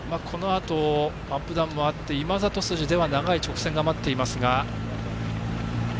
このあと、アップダウンもあって今里筋では長い直線が待っていますが。